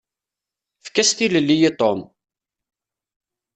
Efk-as tilelli i Tom!